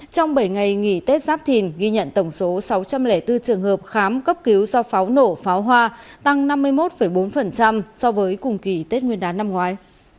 trong bảy ngày nghỉ tết giáp thìn ghi nhận tổng số sáu trăm linh bốn trường hợp khám cấp cứu do pháo nổ pháo hoa tăng năm mươi một bốn so với cùng kỳ tết nguyên đán năm ngoái